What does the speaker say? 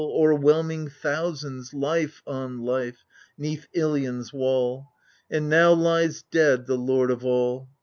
Overwhelming thousands, life on life, 'Neath Ilion's wall I And now lies dead the lord of all.